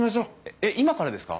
えっ今からですか？